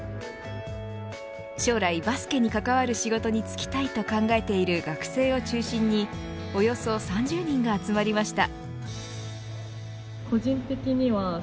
将来バスケに関わる仕事に就きたいと考えている学生を中心におよそ３０人が集まりました。